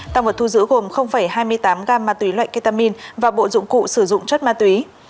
tăng vật thu giữ gồm hai mươi tám gam ma túy loại ketamin và bộ dụng cụ sử dụng chất ma túy